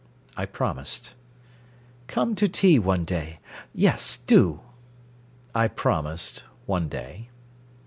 I promised. "Come to tea one day yes, do!" I promised one day.